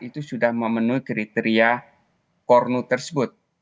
itu sudah memenuhi kriteria korno tersebut